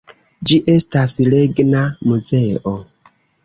Ĝi estas regna muzeo.